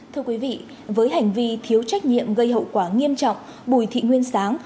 thưa quý vị với hành vi thiếu trách nhiệm gây hậu quả nghiêm trọng bùi thị nguyên sáng